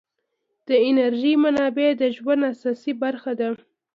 د انرژۍ منابع د ژوند اساسي برخه ده.